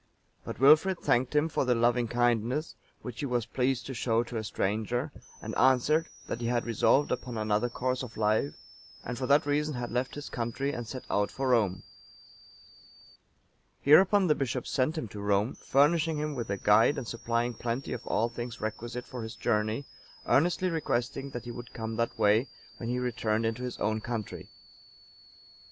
But Wilfrid thanked him for the loving kindness which he was pleased to show to a stranger, and answered, that he had resolved upon another course of life, and for that reason had left his country and set out for Rome. Hereupon the bishop sent him to Rome, furnishing him with a guide and supplying plenty of all things requisite for his journey, earnestly requesting that he would come that way, when he returned into his own country.